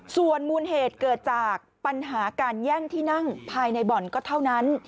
ส่วนมูลเหตุเกิดจากปัญหาการแย่งที่นั่งภายในบ่อนก็เท่านั้น